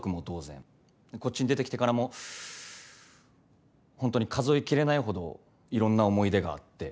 こっちに出てきてからも本当に数え切れないほどいろんな思い出があって。